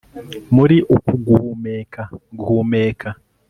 Muri uku guhumeka guhumeka